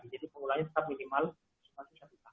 jadi pengulangannya tetap minimal satu tahun